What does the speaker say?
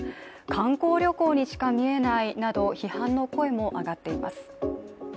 観光旅行にしかみえないなど批判の声も上がっています。